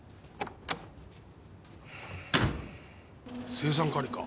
青酸カリか？